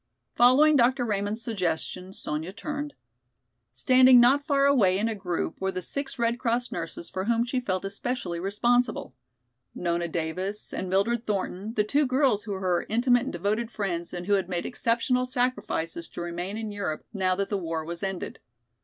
Following Dr. Raymond's suggestion, Sonya turned. Standing not far away in a group were the six Red Cross nurses for whom she felt especially responsible, Nona Davis and Mildred Thornton, the two girls who were her intimate and devoted friends and who had made exceptional sacrifices to remain in Europe now that the war was ended.